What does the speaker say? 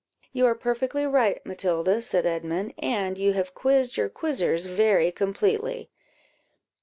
"You are perfectly right, Matilda," said Edmund, "and you have quizzed your quizzers very completely."